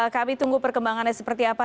kami tunggu perkembangannya seperti apa